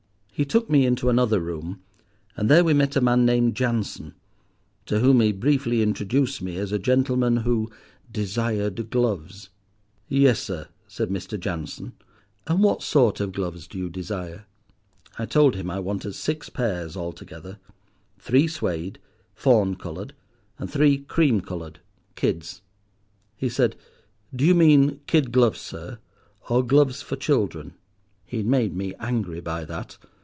"He took me into another room, and there we met a man named Jansen, to whom he briefly introduced me as a gentleman who 'desired gloves.' 'Yes, sir,' said Mr. Jansen; and what sort of gloves do you desire?' "I told him I wanted six pairs altogether—three suede, fawn coloured, and three cream coloured—kids. "He said, 'Do you mean kid gloves, sir, or gloves for children?' "He made me angry by that.